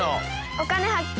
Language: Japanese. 「お金発見」。